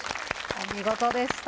お見事でした。